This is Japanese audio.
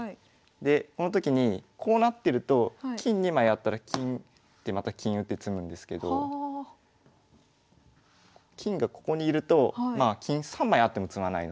でこの時にこうなってると金２枚あったら金また金打って詰むんですけど金がここにいると金３枚あっても詰まないので。